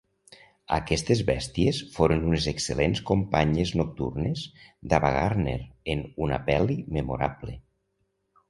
Aquestes bèsties foren unes excel·lents companyes nocturnes d'Ava Gardner en una pel·li memorable.